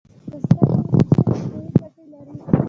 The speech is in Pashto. د سرې وریجې روغتیایی ګټې لري.